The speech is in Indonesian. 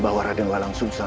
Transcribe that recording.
bahwa raden woyang sungsang